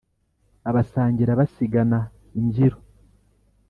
Abasangira basigana imbyiro.